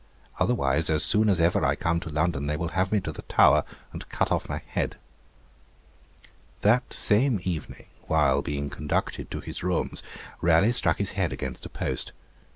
Otherwise, as soon as ever I come to London, they will have me to the Tower, and cut off my head.' That same evening, while being conducted to his rooms, Raleigh struck his head against a post.